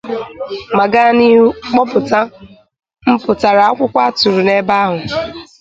ma gaa n'ihu kpọpụta mpụtara akwụkwọ a tụrụ n'ebe ahụ